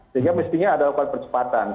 sehingga mestinya ada lakukan percepatan